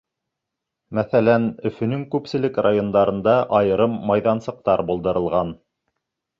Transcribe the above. Мәҫәлән, Өфөнөң күпселек райондарында айырым майҙансыҡтар булдырылған.